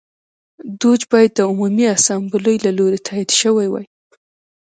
دوج باید د عمومي اسامبلې له لوري تایید شوی وای